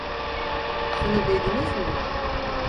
Şunu duydunuz mu?